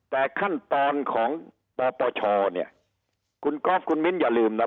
แต่ขั้นตอนของปปชเนี่ยคุณก๊อฟคุณมิ้นอย่าลืมนะ